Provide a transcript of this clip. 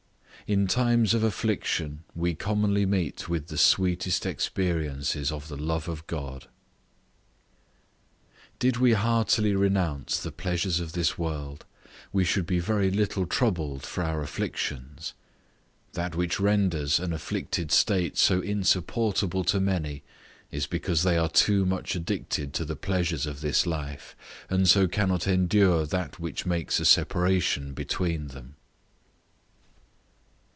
In times of affliction we commonly meet with the sweetest experiences of the love of God. Did we heartily renounce the pleasures of this world, we should be very little troubled for our afflictions; that which renders an afflicted state so insupportable to many, is because they are too much addicted to the pleasures of this life; and so cannot endure that which makes a separation between them.